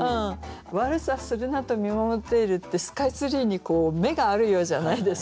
「悪さするなと見守っている」ってスカイツリーに目があるようじゃないですか。